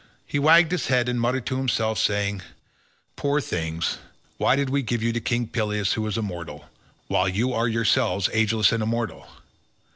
He wagged his head, and muttered to himself, saying, "Poor things, why did we give you to King Peleus who is a mortal, while you are yourselves ageless and immortal?